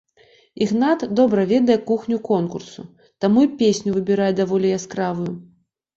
Ігнат добра ведае кухню конкурсу, таму і песню выбірае даволі яскравую.